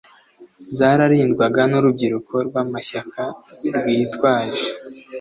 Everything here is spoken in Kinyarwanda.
zararindwaga n'urubyiruko rw'amashyaka rwitwaje